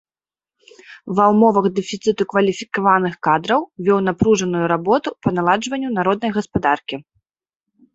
Ва ўмовах дэфіцыту кваліфікаваных кадраў вёў напружаную работу па наладжванню народнай гаспадаркі.